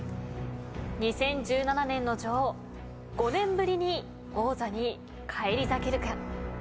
２０１７年の女王５年ぶりに王座に返り咲けるか。